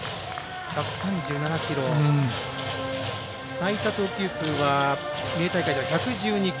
最多投球数は三重大会では１１２球。